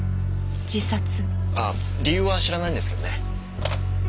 ああ理由は知らないんですけどね。